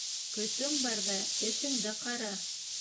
Көсөң барҙа эшеңде ҡара